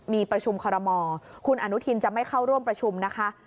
มีประชุมคอรมอคุณอนุทินจะไม่เข้าร่วมประชุมนะคะ